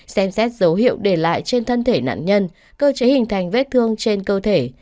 xem xét dấu hiệu để lại trên thân thể nạn nhân cơ chế hình thành vết thương trên cơ thể